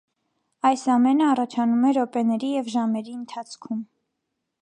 Այս ամենը առաջանում է րոպեների և ժամերի ընթացքում։